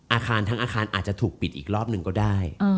อาคารทั้งอาคารอาจจะถูกปิดอีกรอบหนึ่งก็ได้